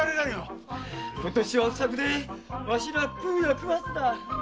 今年は不作でわしら食うや食わずだ。